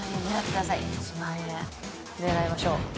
狙いましょう。